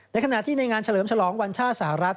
ในขณะที่ในงานเฉลิมฉลองวัญชาติสหรัฐ